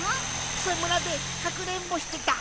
くさむらでかくれんぼしてた。